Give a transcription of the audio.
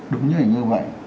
đúng như vậy